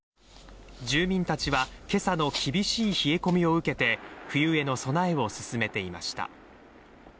住民たちは今朝の厳しい冷え込みを受けて冬への備えを進めていました。